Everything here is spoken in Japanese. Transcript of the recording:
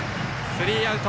スリーアウト。